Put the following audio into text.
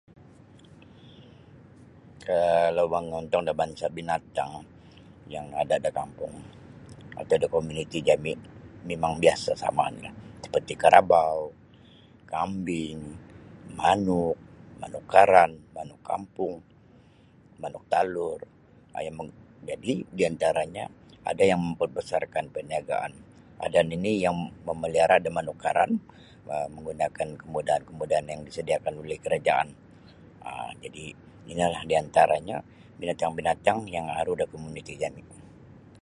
um Kalau mongontong da bangsa binatang yang ada da kampung atau da komuniti jami mimang biasa sama onilah seperi karabau kambing manuk manuk karan manuk kampung manuk talur yang mo jadi diantaranyo ada yang memperbesarkan perniagaan ada nini memeliara da manuk karan um menggunakan kemudahan-kemudahan yang disediakan oleh kerajaan. Jadi inolah binatang-binatang yang aru da komuniti jami.